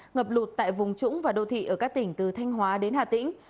ngập lụt tại vùng trũng và đô thị ở các tỉnh từ thanh hóa đến hà tĩnh